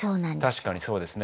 確かにそうですね。